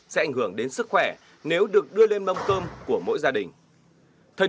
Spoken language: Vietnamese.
sẽ ảnh hưởng đến sức khỏe nếu được đưa lên mâm cơm của mỗi gia đình